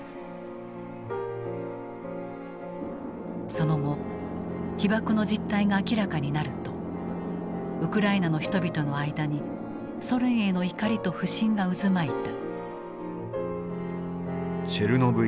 その後被ばくの実態が明らかになるとウクライナの人々の間にソ連への怒りと不信が渦巻いた。